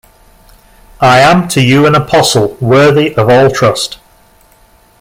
I am to you an apostle worthy of all trust.